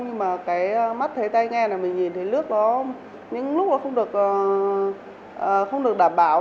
nhưng mà cái mắt thấy tay nghe là mình nhìn thấy nước nó những lúc nó không được đảm bảo